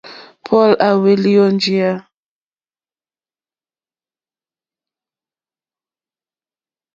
Paul à hwélō njìyá.